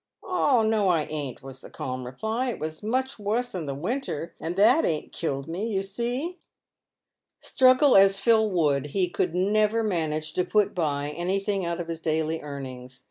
" Oh, no, I ain't!" was the calm reply. " It was much wuss in the winter, and that ain't killed me, you see." 80 PAVED WITH GOLD. Struggle as Phil would, lie could never manage to put by anything out of his daily earnings.